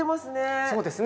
そうですね。